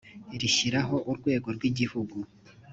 rishyiraho urwego rw igihugu